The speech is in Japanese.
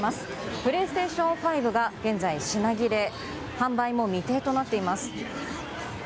プレイステーション５が現在品切れ、未定となっています。